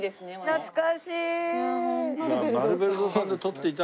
懐かしい。